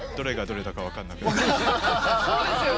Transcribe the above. そうですよね。